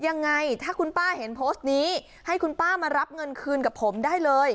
ยังไงถ้าคุณป้าเห็นโพสต์นี้ให้คุณป้ามารับเงินคืนกับผมได้เลย